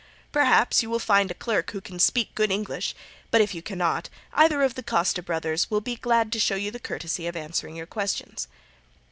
Perhaps you will find a clerk who can speak good English, but if you cannot either of the Costa brothers will be glad to show you the courtesy of answering your questions.